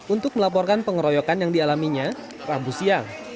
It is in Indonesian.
untuk melaporkan pengeroyokan yang dialaminya rabu siang